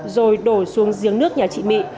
rồi đổ xuống giếng nước nhà chị mỹ